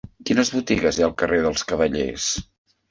Quines botigues hi ha al carrer dels Cavallers?